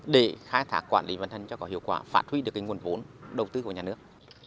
để khai thác quản lý vận hành cho có hiệu quả phát huy được nguồn vốn đầu tư của nhà nước